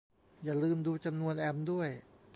อย่าลืมดูจำนวนแอมป์ด้วย